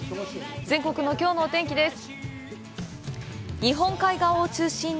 全国のきょうのお天気です。